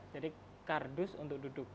jadi kardus untuk duduk